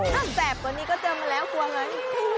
ถ้าแซ่บกว่านี้ก็เจอมันแล้วกลัวไง